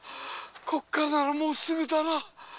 ここからはもうすぐだな。